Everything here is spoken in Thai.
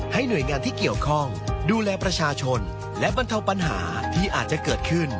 หน่วยงานที่เกี่ยวข้องดูแลประชาชนและบรรเทาปัญหาที่อาจจะเกิดขึ้น